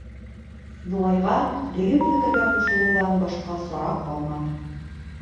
Юлайға дөйөм фекергә ҡушылыуҙан башҡа сара ҡалманы.